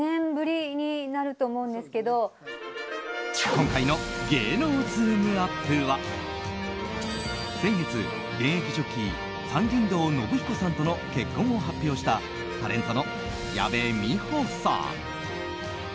今回の芸能ズームＵＰ！は先月、現役ジョッキー山林堂信彦さんとの結婚を発表したタレントの矢部美穂さん。